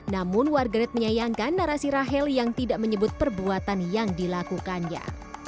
namun warganet menyayangkan narasi rahel yang tidak menyebut perbuatan yang dilakukannya